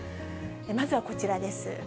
まずはこちらです。